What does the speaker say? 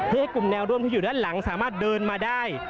ให้กลุ่มแนวร่วมที่อยู่ด้านหลังสามารถเดินมาได้